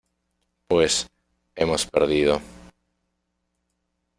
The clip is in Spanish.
Pues, hemos perdido...".